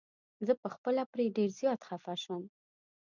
زه په خپله پرې ډير زيات خفه شوم.